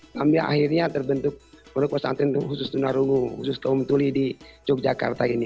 sambil akhirnya terbentuk pondok pesantren khusus tunarungu khusus kaum tuli di yogyakarta ini